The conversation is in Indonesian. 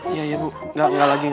iya ibu gak lagi